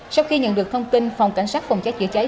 sau khi nhận được thông tin phòng cảnh sát phòng cháy chữa cháy